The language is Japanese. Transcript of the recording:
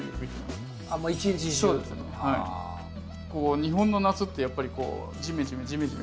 日本の夏ってやっぱりジメジメジメジメ